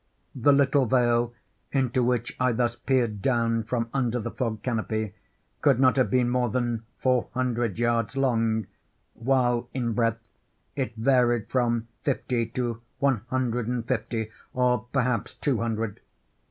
The little vale into which I thus peered down from under the fog canopy could not have been more than four hundred yards long; while in breadth it varied from fifty to one hundred and fifty or perhaps two hundred.